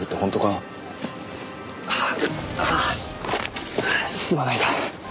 ああすまないが。